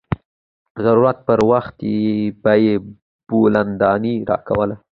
د ضرورت پر وخت به يې بولدانۍ راکوله.